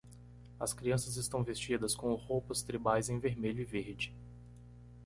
As crianças estão vestidas com roupas tribais em vermelho e verde.